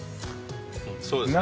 そうですね。